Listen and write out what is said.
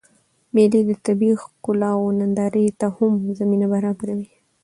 مېلې د طبیعي ښکلاوو نندارې ته هم زمینه برابروي.